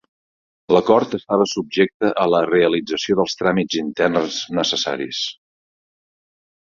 L'acord estava subjecte a la realització dels tràmits interns necessaris.